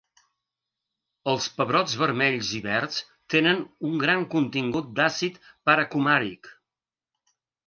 Els pebrots vermells i verds tenen un gran contingut d'àcid paracumàric.